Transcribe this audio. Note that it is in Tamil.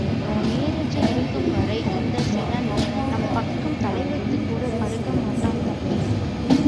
நேருஜி இருக்கும்வரை இந்தச் சீனன் நம் பக்கம் தலைவைத்துக்கூட படுக்க மாட்டான், தம்பி!....